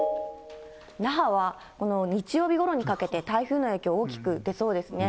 那覇はこの日曜日ごろにかけて台風の影響、大きく受けそうですね。